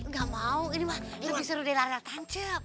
gak mau ini mah lebih seru dari lari lari tancap